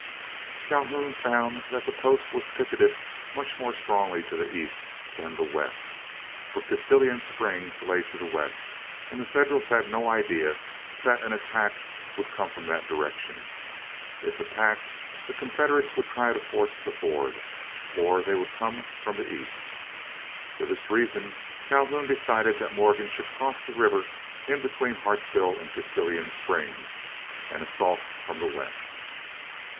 Calhoun found that the post was picketed much more strongly to the east than the west, for Castalian Springs lay to the west, and the Federals had no idea that an attack would come from that direction. If attacked, the Confederates would try to force the ford, or they would come from the east. For this reason Calhoun decided that Morgan should cross the river in between Hartsville and Castalian Springs, and assault from the west.